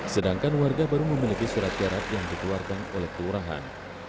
sedangkan warga baru memiliki surat terat yang dikeluarkan oleh kelurahan